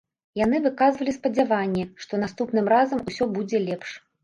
Яны выказвалі спадзяванне, што наступным разам усё будзе лепш.